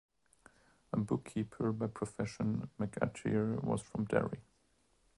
A bookkeeper by profession, McAteer was from Derry.